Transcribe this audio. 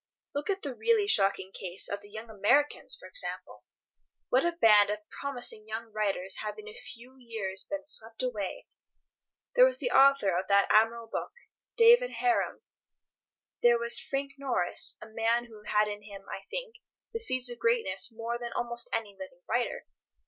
Look at the really shocking case of the young Americans, for example. What a band of promising young writers have in a few years been swept away! There was the author of that admirable book, "David Harum"; there was Frank Norris, a man who had in him, I think, the seeds of greatness more than almost any living writer.